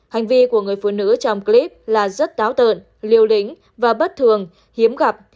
hành vi của người phụ nữ trong clip là rất táo tợn liêu lĩnh và bất thường hiếm gặp